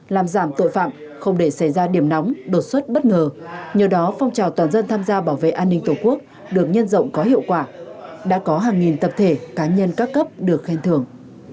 làm giảm tội phạm không để xảy ra điểm nóng đột xuất bất ngờ nhờ đó phong trào toàn dân tham gia bảo vệ an ninh tổ quốc được nhân rộng có hiệu quả đã có hàng nghìn tập thể cá nhân các cấp được khen thưởng